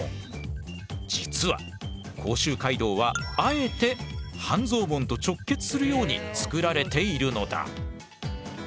実は甲州街道はあえて半蔵門と直結するように作られているのだ。